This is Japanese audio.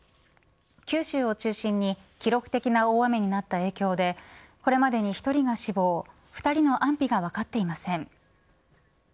九州を中心に記録的な大雨になった影響でこれまでに１人が死亡２人の安否が分かっていません。